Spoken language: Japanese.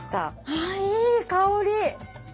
あいい香り。